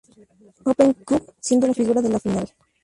Open Cup siendo la figura de la final.